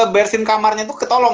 bersin kamarnya tuh ketolong